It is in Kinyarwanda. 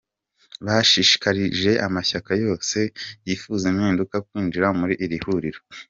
Bashishikarije amashyaka yose yifuza impinduka kwinjira muri iri huriro.